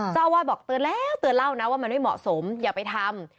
เจ้าอาวาสบอกเตือนแล้วเตือนเล่านะว่ามันไม่เหมาะสมอย่าไปทำ